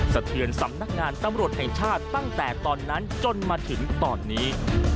สะเทือนสำนักงานตำรวจแห่งชาติตั้งแต่ตอนนั้นจนมาถึงตอนนี้